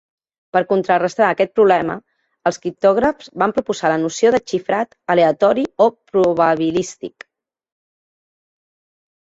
Per contrarestar aquest problema, els criptògrafs van proposar la noció de xifrat "aleatori" o probabilístic.